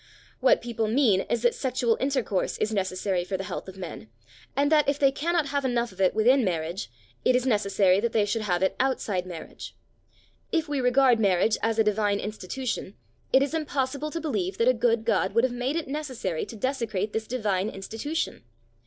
What people mean is that sexual intercourse is necessary for the health of men, and that if they cannot have enough of it within marriage, it is necessary that they should have it outside marriage. If we regard marriage as a divine institution, it is impossible to believe that a good God would have made it necessary to desecrate this divine institution.